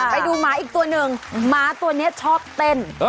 ไปดูหมาอีกตัวหนึ่งหมาตัวนี้ชอบเต้น